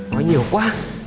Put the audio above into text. nói nhiều quá